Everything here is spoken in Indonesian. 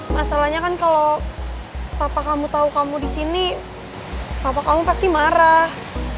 masalahnya kan kalau papa kamu tau kamu disini papa kamu pasti marah